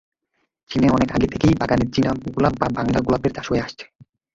চীনে অনেক আগে থেকেই বাগানে চীনা গোলাপ বা বাংলা গোলাপের চাষ হয়ে আসছে।